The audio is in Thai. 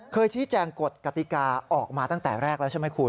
เคยชี้แจงกฎกติกาออกมาตั้งแต่แรกแล้วใช่ไหมคุณ